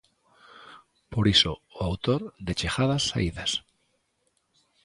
Por iso, o autor de Chegadas, saídas.